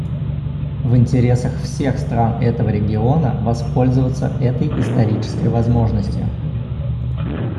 В интересах всех стран этого региона воспользоваться этой исторической возможностью.